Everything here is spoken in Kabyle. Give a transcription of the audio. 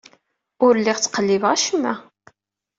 Ur lliɣ ttqellibeɣ acemma.